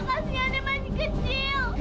kasiannya masih kecil